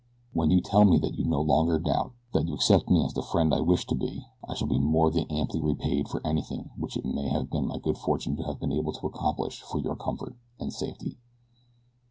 When you tell me that you no longer doubt that you accept me as the friend I would wish to be, I shall be more than amply repaid for anything which it may have been my good fortune to have been able to accomplish for your comfort and safety."